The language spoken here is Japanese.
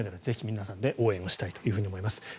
ぜひ皆さんで応援したいと思います。